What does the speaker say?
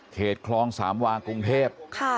เขตคลองสามว่ากรุงเทพฯ